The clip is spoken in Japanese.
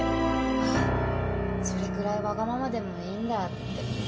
あぁそれくらいわがままでもいいんだって。